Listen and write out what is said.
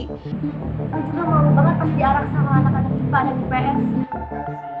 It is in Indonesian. aku juga malu banget pasti arak sama anak anak niva dan ips